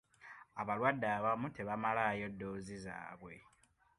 Abalwadde abamu tebamalaayo ddoozi zaabwe.